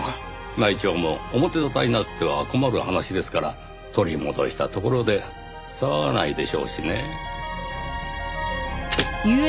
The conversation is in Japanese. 内調も表沙汰になっては困る話ですから取り戻したところで騒がないでしょうしね。